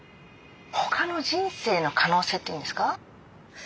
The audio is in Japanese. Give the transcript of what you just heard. ほかの人生の可能性っていうんですか。